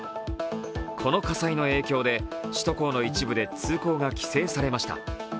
この火災の影響で首都高の一部で通行が規制されました。